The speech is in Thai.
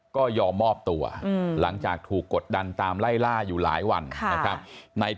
ก็ยอมมอบตัวหลังจากกดดันตามไล่ล่าอยู่หลายวัน